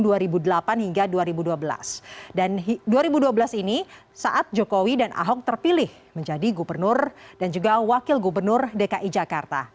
dan dua ribu dua belas ini saat jokowi dan ahok terpilih menjadi gubernur dan juga wakil gubernur dki jakarta